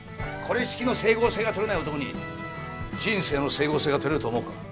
これしきの整合性がとれない男に人生の整合性がとれると思うか？